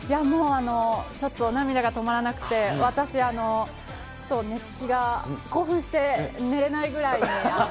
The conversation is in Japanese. もうちょっと、涙が止まらなくて、私、ちょっと寝つきが、興奮して寝れないぐらいに。